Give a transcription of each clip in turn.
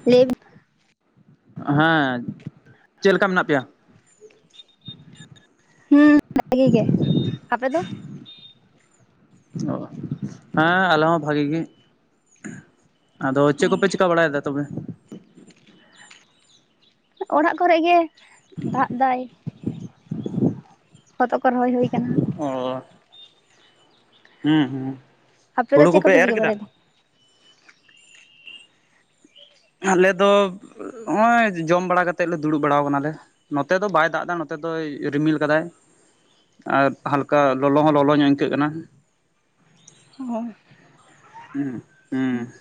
[unintelligible] ᱦᱮᱸ, ᱪᱮᱫ ᱞᱮᱠᱟ ᱢᱮᱱᱟᱜ ᱯᱮᱭᱟ? ᱦᱩᱸ ᱵᱷᱟᱜᱮ ᱜᱮ ᱾ ᱟᱯᱮ ᱫᱚ? ᱦᱮᱸ ᱟᱞᱮ ᱦᱚᱸ ᱵᱷᱟᱜᱮ ᱜᱮ ᱾ ᱟᱫᱚ ᱪᱮᱫ ᱠᱚᱯᱮ ᱪᱮᱠᱟ ᱵᱟᱲᱟᱭ ᱫᱟ ᱛᱚᱵᱮ? ᱚᱲᱟᱜ ᱠᱚᱨᱮᱜ ᱜᱮ, ᱫᱟᱜ ᱫᱟᱭ ᱾ ᱦᱚᱛᱚᱜ ᱠᱚ ᱨᱚᱦᱚᱭ ᱦᱳᱭ ᱠᱟᱱᱟ ᱾ ᱚ ᱦᱩᱸ ᱦᱩᱸ, ᱟᱯᱮ ᱫᱚ ᱦᱩᱲᱩ ᱪᱮᱫ ᱠᱚᱯᱮ ᱮᱨ ᱪᱤᱠᱟᱹ ᱠᱮᱫᱟ? ᱵᱟᱲᱟᱭᱮᱫᱟ ᱟᱞᱮ ᱫᱚ ᱦᱚᱜᱼᱚᱭ ᱡᱚᱢ ᱵᱟᱲᱟ ᱠᱟᱛᱮᱫ ᱞᱮ ᱫᱩᱲᱩᱵ ᱵᱟᱲᱟ ᱠᱟᱱᱟ ᱞᱮ ᱾ ᱱᱚᱛᱮ ᱫᱚ ᱵᱟᱭ ᱫᱟᱜ ᱫᱟ ᱱᱚᱛᱮ ᱫᱚᱭ ᱨᱤᱢᱤᱞ ᱠᱟᱫᱟᱭ ᱾ ᱟᱨ ᱦᱟᱞᱠᱟ ᱞᱚᱞᱚ ᱦᱚᱸ ᱞᱚᱞᱚ ᱧᱚᱜ ᱟᱹᱠᱟᱹᱜ ᱠᱟᱱᱟ ᱾ ᱚ ᱾ ᱦᱩᱸ, ᱦᱩᱸ ᱾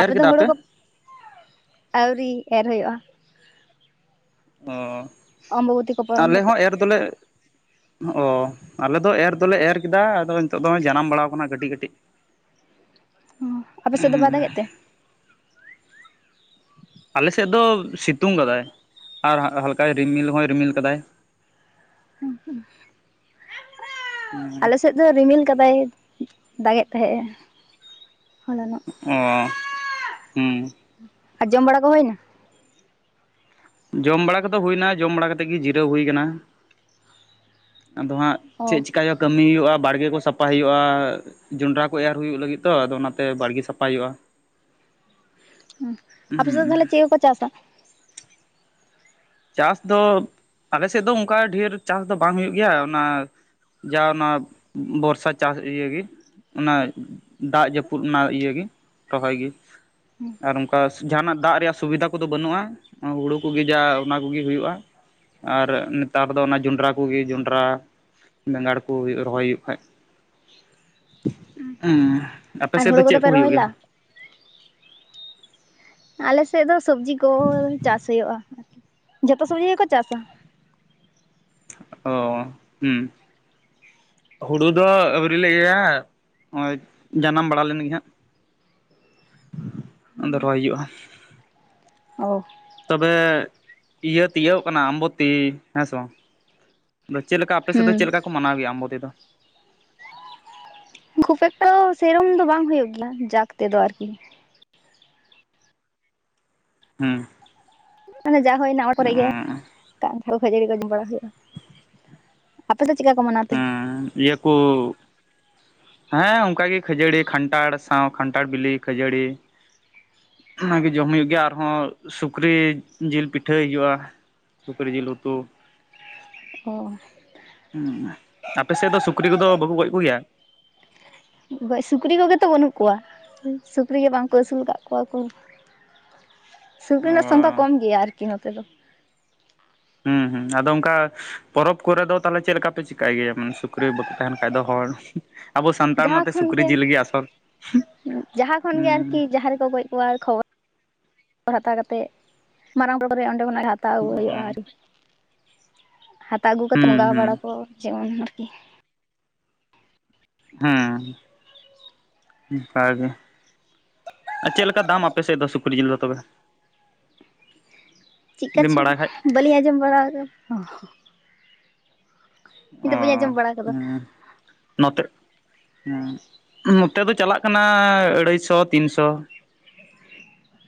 ᱟᱯᱮ ᱫᱚ ᱦᱩᱲᱩ ᱠᱚ, ᱟᱹᱣᱨᱤ ᱮᱨ ᱦᱩᱭᱩᱜᱼᱟ ᱾ ᱚ, ᱚᱢᱵᱚᱵᱚᱛᱤ ᱠᱚ ᱯᱟᱨᱚᱢ ᱟᱞᱮ ᱠᱟᱛᱮᱜ ᱦᱚᱸ ᱮᱨ ᱫᱚᱞᱮ ᱚ, ᱟᱞᱮ ᱫᱚ ᱮᱨ ᱫᱚᱞᱮ ᱮᱨ ᱠᱮᱫᱟ ᱟᱫᱚ ᱱᱤᱛᱚᱜ ᱫᱚ ᱡᱟᱱᱟᱢ ᱵᱟᱲᱟ ᱠᱟᱱᱟ ᱠᱟᱹᱴᱤᱡ ᱠᱟᱹᱴᱤᱡ ᱾ ᱚ, ᱟᱯᱮ ᱥᱮᱫ ᱫᱚ ᱵᱟᱭ ᱫᱟᱜᱮᱫ ᱛᱮ? ᱟᱞᱮᱥᱮᱫ ᱫᱚ ᱥᱤᱛᱩᱝ ᱠᱟᱫᱟᱭ, ᱟᱨ ᱦᱟᱞᱠᱟᱭ ᱨᱤᱢᱤᱞ ᱦᱚᱭ ᱨᱤᱢᱤᱞ ᱠᱟᱫᱟᱭ ᱾ [unintelligible] ᱟᱞᱮ ᱥᱮᱫ ᱫᱚ ᱨᱤᱢᱤᱞ ᱠᱟᱫᱟᱭ, ᱫᱟᱜ ᱮᱫ ᱛᱟᱦᱮᱸᱜᱼᱮ ᱦᱚᱞᱟᱱᱚᱜ ᱾ ᱚ, ᱦᱩᱸ ᱾ ᱟᱨ ᱡᱚᱢ ᱵᱟᱲᱟ ᱠᱚ ᱦᱩᱭᱱᱟ? ᱡᱚᱢ ᱵᱟᱲᱟ ᱠᱚᱫᱚ ᱦᱩᱭᱱᱟ, ᱡᱚᱢ ᱵᱟᱲᱟ ᱠᱟᱛᱮᱫ ᱜᱮ ᱡᱤᱨᱟᱹᱣ ᱦᱩᱭ ᱠᱟᱱᱟ ᱾ ᱟᱫᱚ ᱦᱟᱸᱜ ᱚ ᱪᱮᱫ ᱪᱤᱠᱟᱭ ᱠᱟᱹᱢᱤ ᱦᱩᱭᱩᱜᱼᱟ ᱵᱟᱲᱜᱮ ᱠᱚ ᱥᱟᱯᱟᱭ ᱦᱩᱭᱩᱜᱼᱟ ᱾ ᱡᱚᱱᱰᱨᱟ ᱠᱚ ᱮᱨ ᱦᱩᱭᱩᱜ ᱞᱟᱹᱜᱤᱫ ᱛᱚ ᱟᱫᱚ ᱚᱱᱟ ᱛᱮ ᱵᱟᱲᱜᱮ ᱥᱟᱯᱷᱟᱭ ᱦᱩᱭᱩᱜᱼᱟ ᱾ ᱟᱯᱮ ᱥᱮᱫ ᱛᱟᱦᱞᱮ ᱪᱮᱫ ᱠᱚ ᱠᱚ ᱪᱟᱥᱟ? ᱪᱟᱥ ᱫᱚ, ᱟᱞᱮᱥᱮᱫ ᱫᱚ ᱚᱱᱠᱟ ᱰᱷᱮᱨ ᱪᱟᱥ ᱫᱚ ᱵᱟᱝ ᱦᱩᱭᱩᱜ ᱜᱮᱭᱟ ᱚᱱᱟ ᱡᱟ ᱚᱱᱟ ᱵᱚᱨᱥᱟ ᱪᱟᱥ ᱤᱭᱟᱹᱜᱤ ᱚᱱᱟ ᱫᱟᱜ ᱡᱟᱹᱯᱩᱫ ᱚᱱᱟ ᱤᱭᱟᱹ ᱜᱤ ᱨᱚᱦᱚᱭ ᱜᱤ ᱟᱨ ᱚᱱᱠᱟ ᱡᱟᱦᱟᱱᱟᱜ ᱫᱟᱜ ᱨᱮᱭᱟᱜ ᱥᱩᱵᱤᱫᱷᱟ ᱠᱚᱫᱚ ᱵᱟᱹᱱᱩᱜᱼᱟ, ᱦᱩᱲᱩ ᱠᱚᱜᱮ ᱡᱟ ᱚᱱᱟ ᱠᱚᱜᱮ ᱦᱩᱭᱩᱜᱼᱟ ᱾ ᱟᱨ ᱱᱮᱛᱟᱨ ᱫᱚ ᱚᱱᱟ ᱡᱚᱸᱰᱨᱟ ᱠᱚᱜᱮ, ᱡᱚᱸᱰᱨᱟ ᱵᱮᱸᱜᱟᱲ ᱠᱚ ᱦᱩᱭᱩᱜ ᱨᱚᱦᱚᱭ ᱦᱩᱭᱩᱜ ᱠᱷᱟᱡ ᱾ ᱮᱸ ᱟᱯᱮ ᱟᱨ ᱥᱮᱫ ᱫᱚ ᱦᱳᱲᱳ ᱪᱮᱜ ᱠᱚᱫᱚ ᱠᱚ ᱯᱮ ᱦᱩᱭᱩᱜ ᱨᱚᱦᱚᱭ ᱜᱮᱭᱟ? ᱞᱟᱜᱼᱟ ᱟᱞᱮ ᱥᱮᱫ ᱫᱚ ᱥᱚᱵᱽᱡᱤ ᱠᱚ ᱪᱟᱥ ᱦᱩᱭᱩᱜᱼᱟ ᱟᱨᱠᱤ ᱡᱷᱚᱛᱚ ᱥᱚᱵᱡᱤ ᱜᱮᱠᱚ ᱪᱟᱥᱟ ᱾ ᱚ ᱦᱩᱸ, ᱦᱩᱲᱩ ᱫᱚ ᱟᱹᱣᱨᱤ ᱞᱮ ᱤᱭᱟᱹᱭᱟ ᱚᱭᱮᱡ ᱡᱟᱱᱟᱢ ᱵᱟᱲᱟ ᱞᱮᱱ ᱜᱮ ᱦᱟᱸᱜ, ᱟᱫᱚ ᱨᱚᱦᱚᱭ ᱦᱩᱭᱩᱜᱼᱟ ᱾ ᱚ ᱾ ᱛᱚᱵᱮ ᱤᱭᱟᱹ ᱛᱤᱭᱟᱹᱜ ᱠᱟᱱᱟ ᱟᱢᱵᱚᱛᱤ ᱦᱮᱸᱥᱮ ᱵᱟᱝ? ᱟᱫᱚ ᱪᱮᱜ ᱞᱮᱠᱟ ᱟᱯᱮ ᱥᱮᱫ ᱫᱚ ᱦᱩᱸ ᱪᱮᱜ ᱞᱮᱠᱟ ᱢᱟᱱᱟᱣ ᱜᱮᱭᱟ ᱟᱢᱵᱚᱛᱤ ᱫᱚ? ᱠᱷᱩᱵ ᱮᱠᱴᱟ ᱥᱮᱨᱚᱢ ᱫᱚ ᱵᱟᱝ ᱦᱩᱭᱩᱜ ᱜᱮᱭᱟ, ᱡᱟᱠ ᱛᱮᱫᱚ ᱟᱨᱠᱤ ᱾ ᱦᱩᱸ ᱾ ᱢᱟᱱᱮ ᱡᱟ ᱦᱩᱭᱱᱟ ᱚᱱᱟ ᱠᱚᱨᱮ ᱜᱮ ᱠᱟᱱᱴᱷᱟᱲ ᱠᱷᱟᱹᱡᱟᱹᱲᱤ ᱠᱚ ᱡᱚᱢ ᱵᱟᱲᱟ ᱦᱩᱭᱩᱜᱼᱟ ᱾ ᱟᱯᱮ ᱫᱚ ᱪᱤᱠᱟ ᱠᱚ ᱢᱟᱱᱟᱣᱟ? ᱦᱮᱸ ᱤᱭᱟᱹ ᱠᱩ ᱦᱮᱸ ᱚᱱᱠᱟ ᱜᱮ ᱠᱷᱟᱹᱡᱟᱹᱲᱤ, ᱠᱷᱟᱱᱴᱷᱟᱲ ᱥᱟᱶ ᱠᱷᱟᱱᱴᱷᱟᱲ, ᱵᱤᱞᱤ ᱠᱷᱟᱹᱡᱟᱹᱲᱤ᱾ ᱚᱱᱟᱜᱮ ᱡᱚᱢ ᱦᱩᱭᱩᱜ ᱜᱮᱭᱟ, ᱟᱨᱦᱚᱸ ᱥᱩᱠᱨᱤ ᱡᱤᱞ ᱯᱤᱴᱷᱟᱹᱭ ᱦᱩᱭᱩᱜᱼᱟ᱾ ᱥᱩᱠᱨᱤ ᱡᱤᱞ ᱩᱛᱩ, ᱚ, ᱦᱩᱸ, ᱟᱯᱮ ᱥᱮᱫ ᱫᱚ ᱥᱩᱠᱨᱤ ᱠᱚᱫᱚ ᱵᱟᱠᱚ ᱜᱚᱡ ᱠᱚᱜᱮᱭᱟ? ᱜᱚᱡ, ‌ᱥᱩᱠᱨᱤ ᱠᱚᱜᱮ ᱛᱚ ᱵᱟᱹᱱᱩᱜ ᱠᱚᱣᱟ ᱥᱩᱠᱨᱤ ᱜᱮ ᱵᱟᱝ ᱠᱚ ᱟᱹᱥᱩᱞ ᱠᱟᱜ ᱠᱚᱣᱟ ᱠᱚ᱾ ᱥᱩᱠᱨᱤ ᱚ ᱨᱮᱱᱟᱜ ᱥᱚᱝᱠᱷᱟ ᱠᱚᱢ ᱜᱮᱭᱟ ᱟᱨᱠᱤ ᱱᱚᱛᱮ ᱫᱚ᱾ ᱦᱩᱸ ᱦᱩᱸ ᱟᱫᱚ ᱚᱱᱠᱟ ᱯᱚᱨᱚᱵᱽ ᱠᱚᱨᱮ ᱫᱚ ᱛᱟᱦᱚᱞᱮ ᱪᱮᱫ ᱞᱮᱠᱟ ᱯᱮ ᱪᱤᱠᱟᱭ ᱜᱮᱭᱟ ᱥᱩᱠᱨᱤ ᱵᱟᱠᱩ ᱛᱟᱦᱮᱸᱱ ᱠᱷᱟᱡ ᱫᱚ ᱦᱚᱲ ᱟᱵᱚ ᱥᱟᱱᱛᱟᱲ ᱡᱟᱦᱟᱸ ᱢᱚᱛᱮ ᱠᱷᱚᱱ ᱥᱩᱠᱨᱤ ᱡᱤᱞ ᱜᱮ ᱟᱥᱚᱞ ᱡᱟᱦᱟᱸ ᱠᱷᱚᱱ ᱜᱮ ᱟᱨᱠᱤ [unintelligible] ᱡᱟᱦᱟᱸ ᱨᱮᱠᱚ ᱜᱚᱡ ᱠᱚᱣᱟ, ᱠᱷᱚᱵᱚᱨ ᱦᱟᱛᱟᱣ ᱠᱟᱛᱮᱫ ᱢᱟᱨᱟᱝ ᱯᱚᱨᱚᱵ ᱚᱸᱰᱮ ᱠᱷᱚᱱᱟᱜ ᱜᱮ ᱦᱟ ᱦᱟᱛᱟᱣ ᱟᱹᱜᱩ ᱦᱩᱭᱩᱜᱼᱟ ᱟᱨᱠᱤ, ᱦᱟᱛᱟᱣ ᱟᱹᱜᱩ ᱠᱟᱛᱮ ᱵᱚᱸᱜᱟ ᱦᱩᱸ ᱵᱟᱲᱟ ᱠᱚ ᱡᱮᱢᱚᱱ ᱟᱨᱠᱤ᱾ ᱦᱩᱸ, ᱚᱱᱠᱟᱜ ᱜᱮ᱾ ᱟᱨ ᱪᱮᱫ ᱞᱮᱠᱟ ᱫᱟᱢ ᱟᱯᱮ ᱥᱮᱫ ᱫᱚ ᱥᱩᱠᱨᱤ ᱡᱤᱞ ᱫᱚ ᱛᱚᱵᱮ? ᱡᱩᱫᱤᱢ ᱪᱮᱫᱠᱟᱪᱚ ᱵᱟᱲᱟᱭ ᱠᱷᱟᱡ ᱵᱟᱹᱞᱤᱧ ᱟᱸᱡᱚᱢ ᱵᱟᱲᱟ ᱠᱟᱫᱟ᱾ ᱚ ᱫᱚ ᱵᱟᱹᱧ ᱟᱸᱡᱚᱢ ᱵᱟᱲᱟ ᱟᱠᱟᱫᱟ ᱦᱩᱸ ᱱᱚᱛᱮᱜ, ᱦᱩᱸ ᱱᱚᱛᱮ ᱫᱚ ᱪᱟᱞᱟᱜ ᱠᱟᱱᱟ ᱟᱹᱲᱟᱹᱭ ᱥᱚ ᱛᱤᱱ ᱥᱚ᱾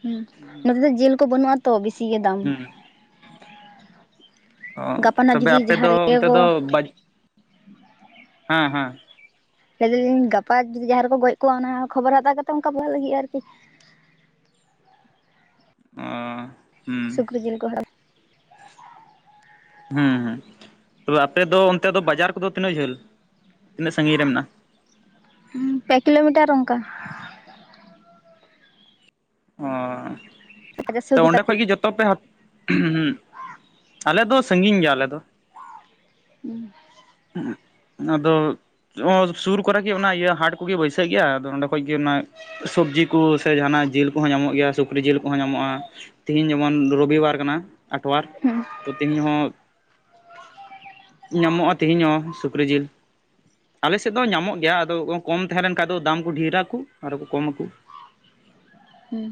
ᱦᱩᱸ ᱱᱚᱛᱮ ᱫᱚ ᱡᱤᱞ ᱠᱚ ᱵᱟᱹᱱᱩᱜᱼᱟ ᱛᱚ ᱵᱮᱥᱤ ᱜᱮ ᱫᱟᱢ᱾ ᱦᱩᱸ ᱚ, ᱜᱟᱯᱟᱱᱟᱜ ᱛᱚᱵᱮ ᱡᱩᱫᱤ ᱟᱯᱮ ᱫᱚ ᱡᱟᱦᱟᱸ ᱨᱮᱜᱮ ᱚᱱᱛᱮ ᱫᱚ ᱠᱚ ᱵᱟ ᱦᱮᱸ ᱦᱮᱸ᱾ ᱞᱟᱹᱭ ᱫᱟᱞᱤᱧ ᱜᱟᱯᱟ ᱡᱩᱫᱤ ᱡᱟᱦᱟᱸ ᱨᱮᱠᱚ ᱜᱚᱡ ᱠᱚᱜᱼᱟ ᱚᱱᱟ ᱠᱷᱚᱵᱚᱨ ᱦᱟᱛᱟᱣ ᱠᱟᱛᱮᱫ ᱚᱱᱠᱟ [unintelligible] ᱞᱟᱹᱜᱤᱫᱼᱟ ᱟᱨᱠᱤ᱾ ᱚᱸᱻ ᱥᱩᱠᱨᱤ ᱡᱤᱞ ᱠᱚ [unintelligible] ᱦᱩᱸ ᱦᱩᱸ, ᱛᱚᱵᱮ ᱟᱯᱮ ᱫᱚ ᱚᱱᱛᱮ ᱫᱚ ᱵᱟᱡᱟᱨ ᱠᱚᱫᱚ ᱛᱤᱱᱟᱹᱜ ᱡᱷᱟᱹᱞ, ᱛᱤᱱᱟᱹᱜ ᱥᱟᱺᱜᱤᱧ ᱨᱮ ᱢᱮᱱᱟᱜᱼᱟ᱾ ᱯᱮ ᱠᱤᱞᱳᱢᱤᱴᱟᱨ ᱚᱝᱠᱟ᱾ ᱚᱸ, ᱛᱚ ᱯᱚᱪᱟᱥᱥᱚ ᱚᱸᱰᱮ ᱛᱟᱯᱮ ᱠᱷᱚᱡ ᱜᱮ ᱡᱚ ᱛᱚ ᱯᱮ, [unintelligible] ᱟᱞᱮ ᱫᱚ ᱥᱟᱺᱜᱤᱧ ᱜᱮᱭᱟᱞᱮ ᱟᱞᱮ ᱫᱚ᱾ ᱦᱩᱸ ᱦᱩᱸ ᱟᱫᱚ [unintelligible] ᱥᱩᱨ ᱠᱚᱨᱮ ᱜᱮ ᱚᱱᱟ ᱤᱭᱟᱹ ᱦᱟᱴ ᱠᱚᱜᱮ ᱵᱟᱹᱭᱥᱟᱹᱜ ᱜᱮᱭᱟ ᱟᱫᱚ ᱚᱸᱰᱮ ᱠᱷᱚᱡ ᱜᱮ ᱚᱱᱟ ᱥᱚᱵᱽᱡᱤ ᱠᱚ ᱥᱮ ᱡᱟᱦᱟᱸᱱᱟᱜ ᱡᱤᱞ ᱠᱚᱦᱚᱸ ᱧᱟᱢᱚᱜ ᱜᱮᱭᱟ ᱥᱩᱠᱨᱤ ᱡᱤᱞ ᱠᱚᱦᱚᱸ ᱧᱟᱢᱚᱜᱼᱟ᱾ ᱛᱤᱦᱤᱧ ᱡᱮᱢᱚᱱ ᱨᱚᱵᱤ ᱵᱟᱨ ᱠᱟᱱᱟ᱾ ᱟᱴᱷᱣᱟᱨ, ᱛᱚ ᱛᱮᱦᱮᱧ ᱦᱚᱸ ᱧᱟᱢᱚᱜᱼᱟ᱾ ᱛᱮᱦᱮᱧ ᱦᱚᱸ ᱥᱩᱠᱨᱤ ᱡᱤᱞ ᱟᱞᱮ ᱥᱮᱫ ᱫᱚ ᱧᱟᱢᱚᱜ ᱜᱮᱭᱟ ᱟᱫᱚ ᱠᱚᱢ ᱛᱟᱦᱮᱸ ᱞᱮᱱ ᱠᱷᱟᱱ ᱫᱚ ᱫᱟᱢ ᱠᱚ ᱰᱷᱮᱨᱟᱠᱚ ᱟᱨᱦᱚᱸ ᱠᱚ ᱠᱚᱢ ᱟᱠᱚ᱾ ᱦᱩᱸ,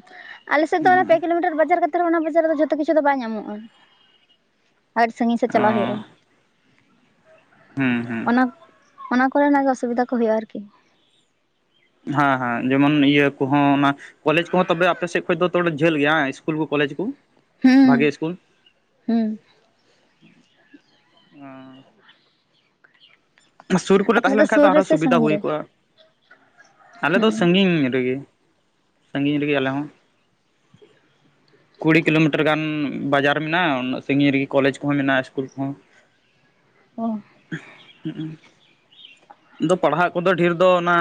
ᱟᱞᱮ ᱥᱮᱫ ᱫᱚ ᱚᱱᱟ ᱯᱮ ᱠᱤᱞᱳᱢᱤᱴᱟᱨ ᱵᱟᱡᱟᱨ ᱛᱟᱣ ᱨᱮᱦᱚᱸ ᱚᱱᱟ ᱵᱟᱡᱟᱨ ᱨᱮᱫᱚ ᱡᱷᱚᱛᱚ ᱠᱤᱪᱷᱩ ᱫᱚ ᱵᱟᱭ ᱧᱟᱢᱚᱜᱼᱟ᱾ ᱟᱹᱰᱤ ᱥᱟᱺᱜᱤᱧ ᱥᱮᱫ ᱚ ᱪᱟᱞᱟᱜ ᱦᱩᱭᱩᱜᱼᱟ᱾ ᱦᱩᱸ ᱦᱩᱸ ᱚᱱᱟ, ᱚᱱᱟ ᱠᱚ ᱨᱮᱱᱟᱜ ᱜᱮ ᱚᱥᱩᱵᱤᱫᱟ ᱠᱚ ᱦᱩᱭᱩᱜᱼᱟ ᱟᱨᱠᱤ ᱦᱮᱸ ᱦᱮᱸ, ᱡᱮᱢᱚᱱ ᱤᱭᱟᱹ ᱠᱚᱦᱚᱸ ᱚᱱᱟ ᱠᱚᱞᱮᱡᱽ ᱠᱚᱦᱚᱸ ᱛᱚᱵᱮ ᱟᱯᱮ ᱥᱮᱫ ᱠᱷᱚᱡ ᱫᱚ ᱛᱚᱲᱟ ᱡᱷᱟᱹᱞ ᱜᱮᱭᱟ ᱥᱠᱩᱞ ᱠᱚᱞᱮᱡᱽ ᱠᱚ? ᱦᱩᱸ ᱜᱮ ᱥᱠᱩᱞ᱾ ᱦᱩᱸ᱾ ᱚᱱᱟ ᱥᱩᱨ ᱠᱚᱨᱮ ᱟᱯᱮ ᱛᱟᱦᱮᱸ ᱥᱮᱫ ᱞᱮᱱ ᱠᱷᱟᱡ ᱫᱚ ᱥᱩᱨ ᱨᱮ ᱟᱨᱦᱚᱸ ᱥᱮ ᱥᱩᱵᱤᱫᱷᱟ ᱥᱟᱺᱜᱤᱧ ᱦᱩᱭ ᱨᱮ ᱠᱚᱜᱼᱟ ᱟᱞᱮ ᱫᱚ ᱦᱩᱸ ᱥᱟᱺᱜᱤᱧ ᱨᱮᱜᱮ᱾ᱥᱟᱺᱜᱤᱧ ᱨᱮᱜᱮ ᱟᱞᱮ ᱦᱚᱸ [inaudible] ᱠᱩᱲᱤ ᱠᱤᱞᱳᱢᱤᱴᱟᱨ ᱜᱟᱱ ᱵᱟᱡᱟᱨ ᱢᱮᱱᱟᱜᱼᱟ, ᱩᱱᱟᱹᱜ ᱥᱟᱺᱜᱤᱧ ᱨᱮᱜᱮ ᱠᱚᱞᱮᱡᱽ ᱠᱚᱦᱚᱸ ᱢᱮᱱᱟᱜᱼᱟ ᱤᱥᱠᱩᱞ ᱠᱚᱦᱚᱸ ᱚ ᱦᱩᱜ-ᱩ, ᱟᱫᱚ ᱯᱟᱲᱦᱟᱜ ᱠᱚᱫᱚ ᱰᱷᱮᱨ ᱫᱚ ᱚᱱᱟ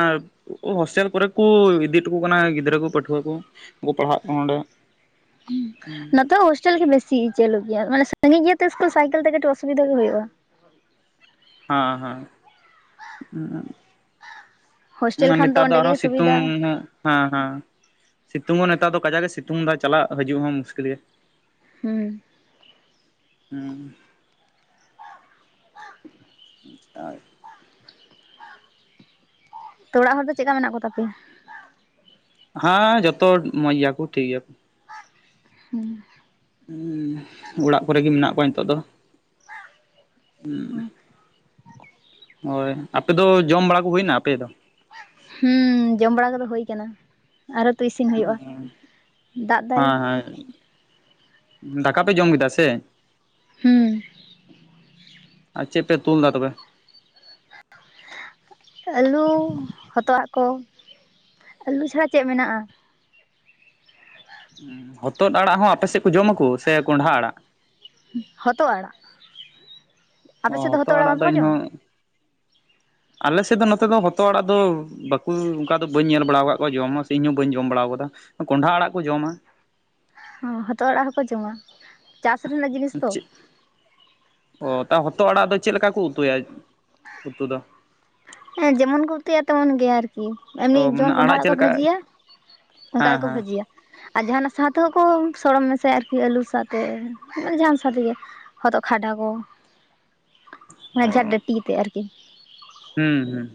ᱦᱳᱥᱴᱮᱞ ᱠᱚᱨᱮ ᱠᱚ ᱤᱫᱤ ᱦᱚᱴᱚ ᱠᱟᱱᱟ ᱜᱤᱫᱽᱨᱟᱹ ᱠᱚ ᱯᱟᱹᱴᱷᱩᱣᱟᱹ ᱠᱚ, ᱩᱱᱠᱩ ᱯᱟᱲᱦᱟᱜ ᱠᱟᱱᱟ ᱚᱸᱰᱮ [inaudible] ᱫᱚ ᱦᱳᱥᱴᱮᱞ ᱜᱮ ᱵᱮᱥᱤ ᱪᱟᱹᱞᱩ ᱜᱮᱭᱟ᱾ ᱢᱟᱱᱮ ᱥᱟᱺᱜᱤᱧ ᱜᱮ ᱥᱤᱥᱠᱩᱞ, ᱥᱟᱭᱠᱮᱞ ᱛᱮ ᱠᱟᱹᱴᱤᱡ ᱚᱥᱩᱵᱤᱫᱟ ᱦᱚ ᱦᱩᱭᱩᱜᱼᱟ᱾ ᱦᱮᱸ ᱦᱮᱸ ᱦᱳᱥᱴᱮᱞ ᱠᱷᱟᱱ ᱱᱮᱛᱟᱨ ᱫᱚ ᱚᱸᱰᱮ ᱜᱮ ᱟᱨᱦᱚᱸ ᱥᱤᱛᱩᱝ᱾ ᱥᱩᱵᱤᱫᱟ ᱦᱮᱸ ᱦᱮᱸ᱾ ᱥᱤᱛᱩᱝ ᱦᱚᱸ ᱱᱮᱛᱟᱨ ᱫᱚ ᱠᱟᱡᱟᱠ ᱜᱮ ᱥᱤᱛᱩᱝ ᱮᱫᱟ᱾ ᱪᱟᱞᱟᱜ ᱦᱤᱡᱩᱜ ᱦᱚᱸ ᱢᱩᱥᱠᱤᱞ ᱜᱮ᱾ ᱦᱩᱸ ᱦᱮᱸ [inaudible] ᱟᱨ ᱛᱚ ᱚᱲᱟᱜ ᱦᱚᱲ ᱫᱚ ᱪᱮᱫ ᱞᱮᱠᱟ ᱢᱮᱱᱟᱜ ᱠᱚ ᱛᱟᱯᱮᱭᱟ? ᱦᱮᱸ ᱡᱚᱛᱚ ᱢᱚᱸᱡᱽ ᱜᱮᱭᱟ ᱠᱚ ᱴᱷᱤᱠ ᱜᱮᱭᱟ ᱠᱚ᱾ ᱦᱩᱸ ᱦᱮᱸ ᱚᱲᱟᱜ ᱠᱚᱨᱮ ᱜᱮ ᱢᱮᱱᱟᱜ ᱠᱚᱣᱟ ᱱᱤᱛᱚᱜ ᱫᱚ᱾ ᱦᱳᱭ ᱟᱯᱮ ᱫᱚ ᱡᱚᱢ ᱵᱟᱲᱟ ᱠᱚ ᱦᱩᱭᱱᱟ ᱟᱯᱮ ᱫᱚ? ᱦᱩᱸ ᱡᱚᱢ ᱵᱟᱲᱟ ᱠᱚᱫᱚ ᱦᱳᱭ ᱠᱟᱱᱟ ᱟᱨᱚ ᱛᱚ ᱤᱥᱤᱱ ᱦᱳᱭᱳᱜᱼᱟ᱾ ᱫᱟᱜ ᱫᱟᱭ ᱦᱮᱸ ᱫᱟᱠᱟ ᱯᱮ ᱡᱚᱢ ᱠᱮᱫᱟ ᱥᱮ? ᱦᱩᱸ ᱟᱨ ᱪᱮᱜ ᱯᱮ ᱩᱛᱩ ᱞᱮᱫᱟ ᱛᱚᱵᱮ? ᱟᱹᱞᱩ ᱦᱚᱛᱚᱜ ᱟᱲᱟᱜ ᱠᱚ᱾ ᱟᱹᱞᱩ ᱪᱷᱟᱲᱟ ᱪᱮᱜ ᱢᱮᱱᱟᱜᱼᱟ? ᱦᱚᱛᱚᱫ ᱟᱲᱟᱜ ᱦᱚᱸ ᱟᱯᱮᱥᱮᱜ ᱠᱚ ᱡᱚᱢᱟ ᱠᱚ ᱥᱮ ᱠᱚᱸᱰᱷᱟ ᱟᱲᱟᱜ? ᱦᱚᱛᱚᱜ ᱟᱲᱟᱜ᱾ ᱚ ᱟᱯᱮ ᱥᱮᱫ ᱫᱚ ᱦᱚᱛᱚᱫ ᱦᱚᱛᱚᱜ ᱟᱲᱟᱜ ᱵᱟᱝ ᱠᱚ ᱡᱚᱢᱟ? ᱤᱧᱦᱚᱸ ᱟᱞᱮ ᱥᱮᱫ ᱫᱚ ᱱᱚᱛᱮ ᱫᱚ ᱦᱚᱛᱚᱜ ᱟᱲᱟᱜ ᱫᱚ ᱵᱟᱠᱚ ᱚᱝᱠᱟ ᱫᱚ ᱵᱟᱹᱧ ᱧᱮᱞ ᱵᱟᱲᱟᱣ ᱠᱟᱜ ᱠᱚᱣᱟ᱾ ᱡᱚᱢ ᱦᱚᱸ ᱥᱮ ᱤᱧ ᱦᱚᱸ ᱵᱟᱹᱧ ᱡᱚᱢ ᱵᱟᱲᱟᱣ ᱠᱟᱫᱟ᱾ ᱠᱚᱸᱰᱷᱟ ᱟᱲᱟᱜ ᱠᱚ ᱡᱚᱢᱟ᱾ ᱦᱚᱸ ᱦᱚᱛᱚᱜ ᱚᱲᱟᱜ ᱦᱚᱸᱠᱚ ᱡᱚᱢᱟ᱾ ᱪᱟᱥ ᱨᱮᱱᱟᱜ ᱡᱤᱱᱤᱥ ᱛᱚ᱾ ᱪᱮᱫ ᱚ ᱦᱚᱛᱚᱜ ᱟᱲᱟᱜ ᱫᱚ ᱪᱮᱫ ᱞᱮᱠᱟ ᱠᱚ ᱩᱛᱩᱭᱟ ᱩᱛᱩ ᱫᱚ? ᱦᱮᱸ ᱡᱮᱢᱚᱱ ᱠᱚ ᱩᱛᱩᱭᱟ ᱛᱮᱢᱚᱱ ᱜᱮ ᱟᱹᱨᱠᱤ᱾ ᱮᱢᱱᱤ ᱚ ᱢᱟᱱᱮ ᱡᱮᱢᱚᱱ ᱠᱚᱸᱰᱷᱟ ᱟᱲᱟᱜ ᱟᱲᱟᱝ ᱪᱮᱫ ᱠᱚ ᱞᱮᱠᱟ ᱵᱷᱟᱹᱡᱤᱭᱟ ᱚᱝᱠᱟ ᱦᱮᱸ ᱜᱮᱠᱚ ᱦᱮᱸ ᱵᱷᱟᱹᱡᱤᱭᱼᱟ᱾ ᱟᱨ ᱡᱟᱦᱟᱱᱟᱜ ᱥᱟᱶ ᱛᱮᱦᱚᱸ ᱠᱚ ᱥᱚᱲᱚᱢ ᱢᱮᱥᱟᱭᱼᱟ ᱟᱨᱠᱤ᱾ ᱟᱹᱞᱩ ᱥᱟᱶᱛᱮ ᱢᱟᱱᱮ ᱡᱟᱦᱟᱱ ᱥᱟᱶ ᱛᱮᱜᱮ᱾ ᱦᱚᱛᱚᱜ ᱠᱷᱟᱰᱟ ᱠᱚ᱾ ᱚ ᱢᱟᱱᱮ ᱡᱟ ᱰᱟᱹᱴᱤ ᱛᱮᱜ ᱟᱨᱠᱤ᱾ ᱦᱩᱸ ᱦᱩᱸ᱾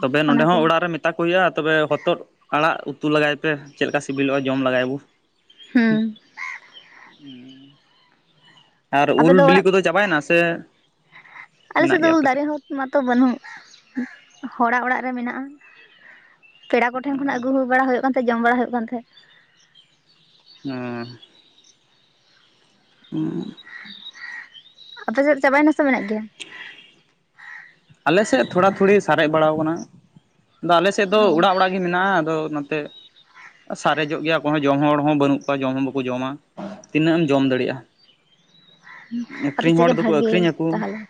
ᱛᱚᱵᱮ ᱚᱱᱟ ᱱᱚᱸᱰᱮ ᱠᱚ ᱦᱚᱸ ᱚᱲᱟᱜ ᱨᱮ ᱢᱮ ᱢᱮᱛᱟ ᱠᱚ ᱦᱩᱭᱩᱜᱼᱟ, ᱛᱚᱵᱮ ᱦᱚᱛᱚᱫ ᱟᱲᱟᱜ ᱩᱛᱩ ᱞᱟᱜᱟᱭ ᱯᱮ ᱪᱮᱫ ᱞᱮᱠᱟ ᱥᱤᱵᱤᱞᱚᱜᱼᱟ? ᱡᱚᱢ ᱞᱟᱜᱟᱭ ᱵᱚ᱾ ᱦᱩᱸ᱾ ᱟᱨ ᱟᱯᱮ ᱩᱞ ᱫᱚ ᱵᱤᱞᱤ ᱚᱲᱟᱜ ᱠᱚᱫᱚ ᱪᱟᱵᱟᱭᱮᱱᱟ ᱥᱮ ᱢᱮᱱᱟᱜ ᱟᱞᱮᱥᱮᱫ ᱫᱚ ᱜᱮᱭᱟ ᱩᱞ ᱟᱯᱮ ᱫᱟᱨᱮ ᱥᱮᱫ? ᱦᱚᱸ ᱢᱟᱛᱚ ᱵᱟᱹᱱᱩᱜ᱾ ᱦᱚᱲᱟᱜ ᱚᱲᱟᱜ ᱨᱮ ᱢᱮᱱᱟᱜᱼᱟ᱾ ᱯᱮᱲᱟ ᱠᱚᱴᱷᱮᱱ ᱠᱷᱚᱱᱟᱜ ᱟᱹᱜᱩ ᱦᱩ ᱵᱟᱲᱟ ᱦᱳᱭᱳᱜ ᱠᱟᱱ ᱛᱟᱦᱮᱸᱜ᱾ ᱡᱚᱢ ᱵᱟᱲᱟ ᱦᱳᱭᱳᱜ ᱠᱟᱱ ᱛᱟᱦᱮᱸᱫ᱾ ᱦᱩᱸ ᱦᱩᱸ ᱟᱯᱮ ᱥᱮᱫ ᱪᱟᱵᱟᱭ ᱮᱱᱟ ᱥᱮ ᱢᱮᱱᱟᱜ ᱜᱮᱭᱟᱻ [inaudible] ᱟᱞᱮᱥᱮᱫ ᱛᱷᱚᱲᱟ ᱛᱷᱩᱲᱤ ᱥᱟᱨᱮᱡ ᱵᱟᱲᱟᱣ ᱠᱟᱱᱟ᱾ ᱟᱫᱚ ᱟᱞᱮ ᱥᱮᱫ ᱫᱚ ᱚ ᱚᱲᱟᱜ ᱚᱲᱟᱜ ᱢᱮᱱᱟᱜᱼᱟ, ᱟᱫᱚ ᱱᱚᱛᱮ ᱥᱟᱨᱮᱡᱚᱜ ᱜᱮᱭᱟ᱾ ᱟᱠᱚᱭ ᱦᱚᱸ ᱡᱚᱢ ᱦᱚᱲ ᱦᱚᱸ ᱵᱟᱹᱱᱩᱜ ᱠᱚᱣᱟ᱾ ᱡᱚᱢ ᱦᱚᱸ ᱵᱟᱠᱚ ᱡᱚᱢᱟ ᱛᱤᱱᱟᱹᱜ ᱮᱢ ᱡᱚᱢ ᱫᱟᱲᱮᱜᱼᱟ? ᱟᱯᱮ ᱥᱮᱜ ᱜᱮ ᱫᱚᱠᱚ ᱵᱷᱟᱹᱜᱮ ᱛᱟᱦᱚᱞᱮ᱾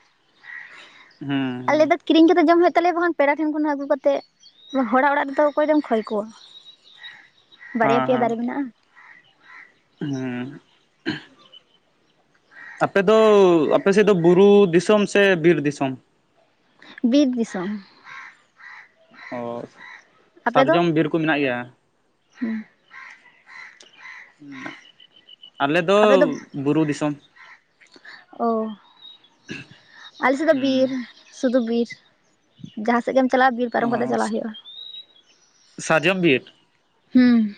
ᱦᱩᱸ ᱟᱞᱮ ᱦᱩᱸ ᱫᱚ ᱠᱤᱨᱤᱧ ᱠᱟᱛᱮᱜ ᱡᱚᱢ ᱦᱳᱭᱳᱜ ᱛᱟᱞᱮᱭᱟ, ᱵᱟᱝᱠᱷᱟᱱ ᱯᱮᱲᱟ ᱴᱷᱮᱱ ᱠᱷᱚᱱ ᱦᱚᱸ ᱟᱹᱜᱩ ᱠᱟᱛᱮᱜ ᱦᱚᱲᱟᱜ ᱚᱲᱟᱜ ᱨᱮ ᱫᱚ ᱚᱠᱚᱭ ᱫᱚᱢ ᱠᱷᱚᱭ ᱠᱚᱣᱟ᱾ ᱵᱟᱨᱭᱟ ᱦᱮᱸ ᱦᱮᱸ ᱯᱮᱭᱟ ᱫᱟᱨᱮ ᱢᱮᱱᱟᱜᱼᱟ᱾ ᱦᱮᱸ ᱟᱯᱮ ᱫᱚ ᱟᱯᱮ ᱥᱮᱫ ᱫᱚ ᱵᱩᱨᱩ ᱫᱤᱥᱚᱢ ᱥᱮ ᱵᱤᱨ ᱫᱤᱥᱚᱢ? ᱵᱤᱨ ᱫᱤᱥᱚᱢ᱾ ᱚ ᱟᱯᱮ ᱫᱚ ᱥᱟᱨᱡᱚᱢ ᱵᱤᱨ ᱠᱩᱢᱮᱱᱟᱜ ᱜᱮᱭᱟ ᱩᱸᱱᱟᱜ ᱟᱞᱮ ᱫᱚ ᱵᱩᱨᱩ ᱫᱤᱥᱚᱢ ᱚ ᱟᱞᱮ ᱥᱮᱜ ᱫᱚ ᱦᱩᱸ ᱵᱤᱨᱤ ᱥᱩᱫᱷᱩ ᱵᱤᱨ ᱡᱟᱦᱟᱸ ᱥᱮᱜ ᱜᱮᱢ ᱪᱟᱞᱟᱜᱼᱟ ᱵᱤᱨ ᱚ ᱯᱟᱨᱚᱢ ᱠᱟᱛᱮ ᱪᱟᱞᱟᱶ ᱦᱳᱭᱳᱜᱼᱟ ᱥᱟᱨᱡᱚᱢ ᱵᱤᱨ ᱦᱩᱸ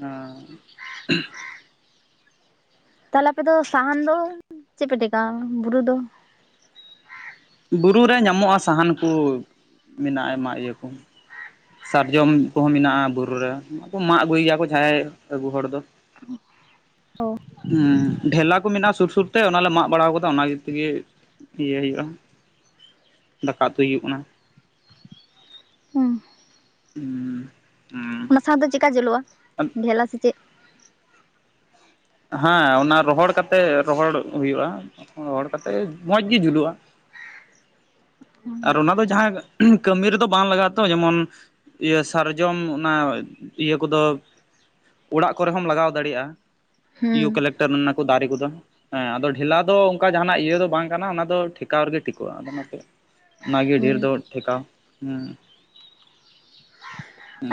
ᱚᱸ ᱛᱟᱦᱚᱞᱮ ᱟᱯᱮ ᱫᱚ ᱥᱟᱦᱟᱱ ᱫᱚ ᱪᱮᱫᱯᱮ ᱴᱮᱠᱟᱣᱟ ᱵᱩᱨᱩ ᱫᱚ ᱵᱩᱨᱩ ᱨᱮ ᱧᱟᱢᱚᱜᱼᱟ ᱥᱟᱦᱟᱱ ᱠᱩ ᱢᱮᱱᱟᱜᱼᱟ ᱟᱭᱢᱟ ᱤᱭᱟᱹ ᱠᱚ ᱥᱟᱨᱡᱚᱢ ᱠᱚᱦᱚᱸ ᱢᱮᱱᱟᱜᱼᱟ ᱵᱩᱨᱩ ᱨᱮ ᱢᱟᱜ ᱟᱹᱜᱩᱭ ᱜᱮᱭᱟ ᱠᱚ ᱡᱟᱦᱟᱸᱭ ᱟᱹᱜᱩ ᱦᱚᱲ ᱫᱚ ᱚᱸ ᱦᱩᱸ, ᱰᱷᱮᱞᱟ ᱠᱚ ᱢᱮᱱᱟᱜᱼᱟ ᱥᱩᱨ ᱥᱩᱨᱛᱮ ᱚᱱᱟ ᱞᱮ ᱢᱟᱜ ᱵᱟᱲᱟ ᱠᱟᱣᱫᱟ ᱚᱱᱟ ᱜᱤᱛᱮᱜᱮ ᱤᱭᱟᱹ ᱦᱩᱭᱩᱜᱼᱟ ᱾ ᱫᱟᱠᱟ ᱩᱛᱩᱭ ᱦᱩᱭᱩᱜ ᱠᱟᱱᱟ᱾ ᱦᱩᱸ ᱩᱸ ᱚᱱᱟ ᱥᱟᱦᱟ ᱫᱚ ᱪᱮᱠᱟ ᱡᱳᱞᱚᱜᱼᱟ ᱾ᱰᱷᱮᱞᱟ ᱥᱮ ᱪᱮᱜ? ᱦᱮᱸ ᱚᱱᱟ ᱨᱚᱦᱚᱲ ᱠᱟᱛᱮ ᱨᱚᱦᱚᱲ ᱦᱩᱭᱩᱜᱼᱟ᱾ ᱨᱚᱦᱚᱲ ᱠᱟᱛᱮᱜ ᱢᱚᱸᱡᱽ ᱜᱮ ᱡᱩᱞᱩᱜᱼᱟ᱾ ᱟᱨ ᱚᱱᱟ ᱫᱚ ᱡᱟᱦᱟᱸ ᱠᱟᱹᱢᱤ ᱨᱮᱫᱚ ᱵᱟᱝ ᱞᱟᱜᱟᱜᱼᱟ ᱛᱚ ᱾ ᱡᱮᱢᱚᱱ ᱤᱭᱟᱹ ᱥᱟᱨᱡᱚᱢ ᱚᱱᱟ ᱤᱭᱟᱹ ᱠᱚᱫᱚ ᱚᱲᱟᱜ ᱠᱚᱨᱮ ᱦᱚᱸᱢ ᱞᱟᱜᱟᱣ ᱫᱟᱲᱮᱭᱟᱜᱼᱟ᱾ ᱦᱩᱸ ᱤᱭᱩ ᱠᱟᱞᱮᱠᱴᱟᱨ ᱚᱱᱟ ᱫᱟᱨᱮ ᱠᱚᱫᱚ᱾ ᱦᱮᱸ ᱟᱫᱚ ᱰᱷᱮᱞᱟ ᱫᱚ ᱚᱱᱠᱟ ᱡᱟᱦᱱᱟᱜ ᱤᱭᱟᱹ ᱫᱚ ᱵᱟᱝ ᱠᱟᱱᱟ᱾ ᱚᱱᱟ ᱫᱚ ᱴᱷᱮᱠᱟᱣ ᱨᱮᱜᱮ ᱴᱷᱤᱠᱚᱜᱼᱟ ᱾ᱟᱫᱚ ᱚᱱᱟᱛᱮ ᱚᱱᱟᱜᱮ ᱦᱩᱸ ᱰᱷᱮᱨ ᱫᱚ ᱴᱷᱮᱠᱟᱣ ᱦᱩᱸ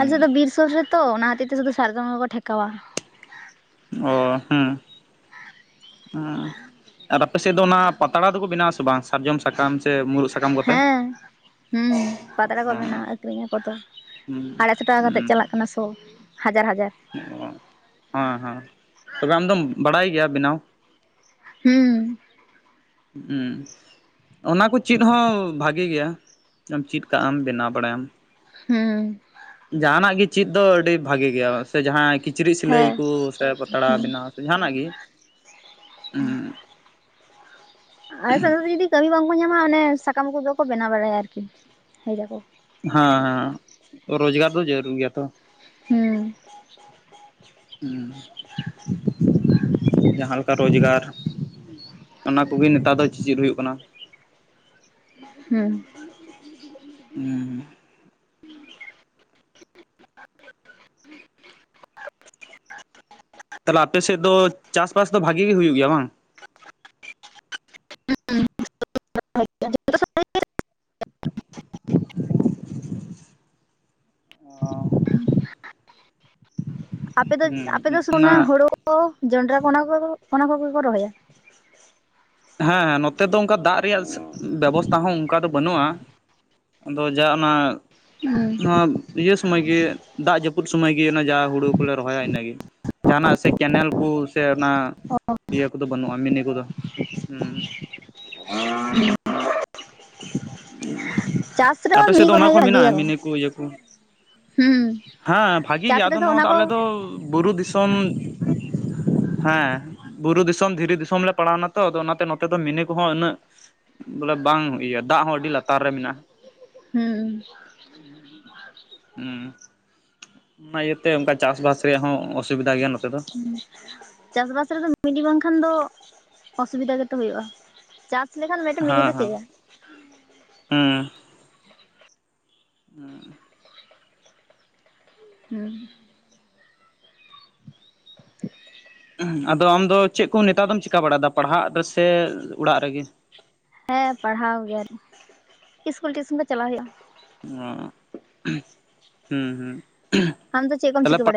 ᱟᱞᱮ ᱥᱮᱫ ᱫᱚ ᱵᱤᱨ ᱥᱳᱨ ᱨᱮ ᱛᱚ ᱾ ᱚᱱᱟ ᱦᱟᱛᱤᱨ ᱛᱮ ᱥᱩᱫᱩ ᱥᱟᱨᱡᱚᱢ ᱜᱮᱠᱚ ᱴᱷᱮᱠᱟᱣᱼᱟ᱾ ᱚ ᱦᱩᱸ ᱦᱩᱸ ᱟᱨ ᱟᱯᱮ ᱥᱮᱫ ᱫᱚ ᱚᱱᱟ ᱯᱟᱛᱲᱟ ᱫᱚᱠᱚ ᱵᱮᱱᱟ ᱟᱥᱮ ᱵᱟᱝ, ᱥᱟᱨᱡᱚᱢ ᱥᱟᱠᱟᱢ ᱥᱮ ᱢᱩᱨᱩᱫ ᱥᱟᱠᱟᱢ ᱠᱚᱛᱮ ᱦᱮᱸ ᱦᱩᱸ ᱯᱟᱛᱲᱟ ᱠᱚ ᱵᱮᱱᱟᱜᱼᱟ᱾ ᱦᱮᱸ ᱟᱠᱷᱨᱤᱧ ᱟᱠᱚ ᱛᱚ᱾ ᱟᱲᱟᱭ ᱥᱚ ᱴᱟᱠᱟ ᱠᱟᱛᱮᱫ ᱦᱩᱸ ᱪᱟᱞᱟᱜ ᱠᱟᱱᱟ ᱥᱚ ᱦᱟᱡᱟᱨ ᱦᱟᱡᱟᱨ ᱚ ᱦᱮᱸ ᱦᱮᱸ ᱛᱚᱵᱮ ᱟᱢ ᱫᱚᱢ ᱵᱟᱲᱟᱭ ᱜᱮᱭᱟ ᱵᱮᱱᱟᱣ? ᱦᱩᱸ ᱦᱩᱸ ᱚᱱᱟ ᱠᱚ ᱪᱤᱫ ᱦᱚᱸ ᱵᱷᱟᱜᱮ ᱜᱮᱭᱟ ᱾ ᱪᱤᱫ ᱠᱟᱜ ᱟᱢ ᱵᱮᱱᱟᱣ ᱵᱟᱲᱟᱭ ᱟᱢ᱾ ᱦᱩᱸ ᱡᱟᱦᱟᱱᱟᱜ ᱜᱮ ᱪᱤᱫ ᱫᱚ ᱟᱹᱰᱤ ᱵᱷᱟᱜᱮ ᱜᱮᱭᱟ ᱥᱮ ᱡᱟᱦᱟᱸ ᱠᱤᱪᱨᱤᱡ ᱥᱤᱞᱟᱹᱭ ᱦᱮᱸ ᱠᱚ ᱥᱮ ᱯᱟᱛᱲᱟ ᱦᱩᱸ ᱵᱮᱱᱟᱣ ᱡᱟᱦᱟᱱᱟᱜ ᱜᱮ ᱩᱸ ᱟᱞᱮ ᱥᱮᱫ ᱫᱚ ᱡᱩᱫᱤ ᱠᱟᱹᱢᱤ ᱵᱟᱝ ᱠᱚ ᱧᱟᱢᱟ ᱚᱱᱮ ᱥᱟᱠᱟᱢ ᱠᱚᱫᱚ ᱠᱚ ᱵᱮᱱᱟᱣ ᱵᱟᱲᱟᱭᱟ ᱟᱨ ᱠᱤ ᱦᱮᱡ ᱟᱠᱚ᱾ ᱦᱮᱸ ᱦᱮᱸ ᱨᱳᱡᱜᱟᱨ ᱫᱚ ᱡᱟᱹᱨᱩᱨ ᱜᱮᱭᱟ ᱛᱚ᱾ ᱦᱩᱸ [unintelligible] ᱦᱩᱸ ᱡᱟᱦᱟᱸ ᱞᱮᱠᱟ ᱨᱳᱡᱜᱟᱨ ᱚᱱᱟ ᱠᱚᱜᱮ ᱱᱮᱛᱟᱨ ᱫᱚ ᱪᱮᱫ ᱦᱩᱭᱩᱜ ᱠᱟᱱᱟ᱾ ᱦᱩᱸ ᱦᱩᱸ ᱛᱟᱦᱚᱞᱮ ᱟᱯᱮ ᱥᱮᱫ ᱫᱚ ᱪᱟᱥᱵᱟᱥ ᱫᱚ ᱵᱷᱟᱜᱮ ᱜᱮ ᱦᱩᱭᱩᱜ ᱜᱮᱭᱟ ᱵᱟᱝ? ᱟᱪᱪᱷᱟ [unintelligible] ᱚ ᱟᱯᱮ ᱫᱚ ᱟᱯᱮᱫᱚ ᱥᱩᱱᱩᱱᱟ [inaudible] ᱦᱳᱲᱳ, ᱡᱚᱱᱰᱨᱟ, ᱠᱚ ᱚᱱᱟ ᱠᱚ, ᱚᱱᱟ ᱠᱚᱜᱮ ᱠᱚ ᱨᱚᱦᱚᱭᱟ᱾ ᱦᱮᱸ ᱱᱚᱛᱮ ᱫᱚ ᱚᱱᱠᱟ ᱫᱟᱜ ᱨᱮᱭᱟᱜ ᱵᱮᱵᱚᱥᱛᱷᱟ ᱦᱚᱸ ᱚᱱᱠᱟ ᱫᱚ ᱵᱟᱹᱱᱩᱜ-ᱟ᱾ ᱟᱫᱚ ᱡᱟ ᱚᱱᱟ ᱱᱚᱣᱟ ᱤᱭᱟᱹ ᱥᱚᱢᱚᱭ ᱜᱮ, ᱫᱟᱜ ᱡᱟᱹᱯᱩᱫ ᱥᱚᱢᱚᱭ ᱜᱮ ᱚᱱᱟ ᱡᱟ ᱦᱩᱲᱩ ᱠᱚᱞᱮ ᱨᱚᱦᱚᱭᱟ ᱤᱱᱟᱹᱜᱮ᱾ ᱡᱟᱦᱟᱱᱟᱜ ᱥᱮ ᱠᱮᱱᱮᱞ ᱠᱩ ᱥᱮ ᱚᱱᱟ ᱤᱭᱟᱹ ᱠᱚᱫᱚ ᱵᱟᱹᱱᱩᱜ-ᱟ ᱢᱤᱱᱤ ᱠᱚᱫᱚ᱾ ᱦᱩᱸ ᱪᱟᱥ ᱟᱯᱮ ᱨᱮᱦᱚᱸ ᱥᱮᱫ ᱢᱤᱫ ᱫᱚ ᱠᱚ ᱚᱱᱟ ᱠᱚᱦᱚᱸ ᱢᱮᱱᱟᱜ-ᱟ᱾ ᱵᱷᱟᱜᱮᱭᱟᱠᱚ ᱢᱤᱱᱤ ᱠᱩ ᱤᱭᱟᱹ ᱠᱩ᱾ ᱦᱩᱸ ᱦᱮᱸ ᱵᱷᱟᱜᱮ ᱪᱟᱥ ᱜᱮᱭᱟ ᱟᱫᱚ ᱨᱮᱫᱚ ᱱᱚᱣᱟ ᱚᱱᱟ ᱫᱚ ᱠᱚ ᱟᱞᱮ ᱫᱚ ᱵᱩᱨᱩ ᱫᱤᱥᱚᱢ ᱦᱮᱸ ᱵᱩᱨᱩ ᱫᱤᱥᱚᱢ, ᱫᱷᱤᱨᱤ ᱫᱤᱥᱚᱢ, ᱞᱮ ᱯᱟᱲᱟᱣᱱᱟ ᱛᱚ᱾ ᱟᱫᱚ ᱚᱱᱟᱛᱮ ᱱᱚᱛᱮ ᱫᱚ ᱢᱤᱱᱤ ᱠᱚᱦᱚᱸ ᱩᱱᱟᱹᱜ ᱵᱚᱞᱮ ᱵᱟᱝ ᱤᱭᱟᱹ, ᱫᱟᱜ ᱦᱚᱸ ᱟᱹᱰᱤ ᱞᱟᱛᱟᱨ ᱨᱮ ᱢᱮᱱᱟᱜ-ᱟ᱾ ᱦᱩᱸ ᱦᱩᱸ ᱚᱱᱟ ᱤᱭᱟᱹᱛᱮ ᱚᱱᱠᱟ ᱪᱟᱥᱵᱟᱥ ᱨᱮᱭᱟᱜ ᱦᱚᱸ ᱚᱥᱩᱵᱤᱫᱟ ᱜᱮᱭᱟ ᱱᱚᱛᱮ ᱫᱚ ᱦ [inaudible] ᱪᱟᱥᱵᱟᱥ ᱨᱮᱫᱚ ᱢᱤᱱᱤ ᱜᱮ ᱵᱟᱝᱠᱷᱟᱱ ᱫᱚ ᱚᱥᱩᱵᱤᱫᱟ ᱜᱮᱛᱚ ᱦᱳᱭᱳᱜ-ᱟ᱾ ᱪᱟᱥ ᱤᱰᱮ [inaudible] ᱠᱷᱟᱱ ᱢᱤᱫᱴᱮᱱ ᱢᱤᱱᱤ ᱫᱚ ᱪᱟᱹᱼᱟ᱾ ᱦᱩᱸ ᱦᱩ [inaudible] ᱦᱩᱸ ᱟᱫᱚ ᱟᱢᱫᱚ ᱪᱮᱫ ᱠᱚ ᱱᱮᱛᱟᱨ ᱫᱚᱢ ᱪᱮᱠᱟ ᱵᱟᱲᱟᱭᱮᱫᱟ ᱯᱟᱲᱦᱟᱜ ᱨᱮᱥᱮ ᱚᱲᱟᱜ ᱨᱮᱜᱤ ᱦᱮᱸ ᱯᱟᱲᱦᱟᱣ ᱜᱮ ᱟᱞᱤᱧ ᱤᱥᱠᱩᱞ ᱴᱤᱭᱩᱥᱚᱱ ᱫᱚ ᱪᱟᱞᱟᱣ ᱦᱳᱭᱳᱜᱼᱟ ᱚ ᱦᱩᱸ ᱦᱩᱸ ᱟᱢ ᱫᱚ ᱪᱮᱫ ᱠᱚᱢ ᱛᱟᱦᱚᱞᱮ ᱪᱤᱠᱟᱹ ᱵᱟᱲᱟ